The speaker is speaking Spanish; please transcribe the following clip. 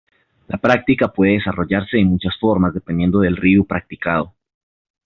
La práctica puede desarrollarse de muchas formas dependiendo del "ryu" practicado.